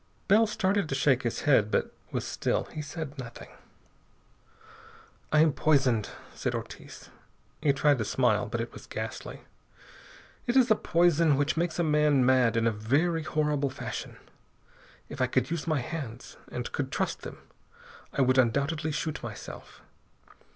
Bell started to shake his head, but was still. He said nothing. "I am poisoned," said Ortiz. He tried to smile, but it was ghastly. "It is a poison which makes a man mad in a very horrible fashion. If I could use my hands and could trust them I would undoubtedly shoot myself.